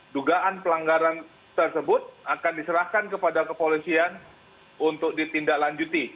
dugaan pelanggaran tersebut akan diserahkan kepada kepolisian untuk ditindaklanjuti